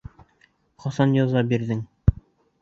Ҡасан яза бирҙем?